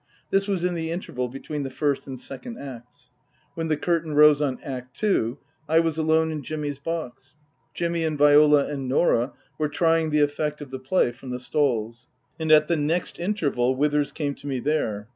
This was in the interval between the First and Second Acts. When the curtain rose on Act Two, I was alone in Jimmy's box. (Jimmy and Viola and Norah were trying the effect of the play from the stalls.) And at the next interval Withers came to me there.